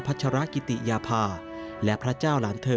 ัชรกิติยาภาและพระเจ้าหลานเธอ